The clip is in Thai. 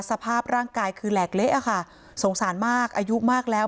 สภาพร่างกายคือแหลกเละค่ะสงสารมากอายุมากแล้ว